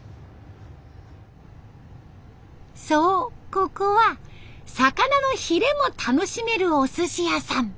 ここは魚のヒレも楽しめるおすし屋さん。